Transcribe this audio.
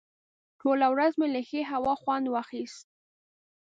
ټوله ورځ مې له ښې هوا خوند واخیست.